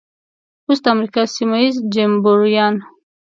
اوس د امریکا سیمه ییز جمبوریان.